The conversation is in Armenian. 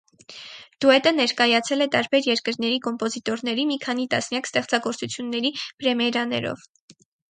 Դուետը ներկայացել է տարբեր երկրների կոմպոզիտորների մի քանի տասնյակ ստեղծագործությունների պրեմիերաներով։